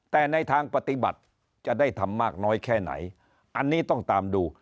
แต่ในทางปฏิบัติจะได้ทำมากน้อยแค่ไหนอันนี้ต้องตามดู